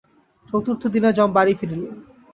চতুর্থ দিনে যম বাড়ী ফিরিলেন।